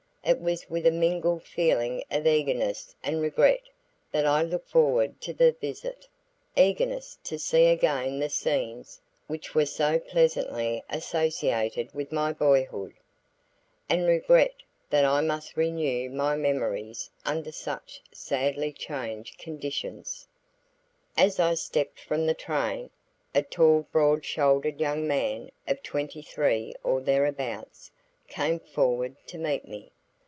It was with a mingled feeling of eagerness and regret that I looked forward to the visit eagerness to see again the scenes which were so pleasantly associated with my boyhood, and regret that I must renew my memories under such sadly changed conditions. As I stepped from the train, a tall broad shouldered young man of twenty three or thereabouts, came forward to meet me.